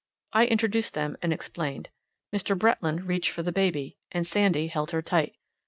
I introduced them, and explained. Mr. Bretland reached for the baby, and Sandy held her tight.